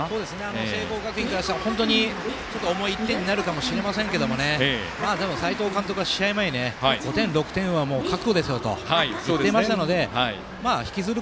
聖光学院からしたら重い１点になるかもしれませんが斎藤監督は試合前に５点、６点は覚悟ですよと言っていましたので引きずる